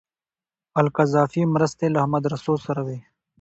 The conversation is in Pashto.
القذافي مرستې له مدرسو سره وې.